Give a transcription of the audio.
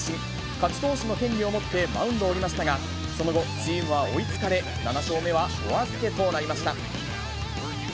勝ち投手の権利を持ってマウンドを降りましたが、その後、チームは追いつかれ、７勝目はお預けとなりました。